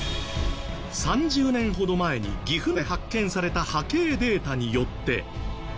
３０年ほど前に岐阜で発見された波形データによって。